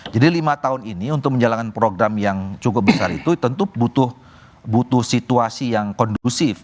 jadi lima tahun ini untuk menjalankan program yang cukup besar itu tentu butuh situasi yang kondusif